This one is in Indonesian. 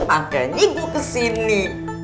makanya gue kesini